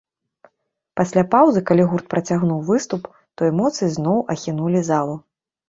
Пасля паўзы, калі гурт працягнуў выступ, то эмоцыі зноў ахінулі залу.